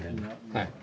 はい。